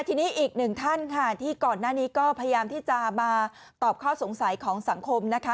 ทีนี้อีกหนึ่งท่านค่ะที่ก่อนหน้านี้ก็พยายามที่จะมาตอบข้อสงสัยของสังคมนะคะ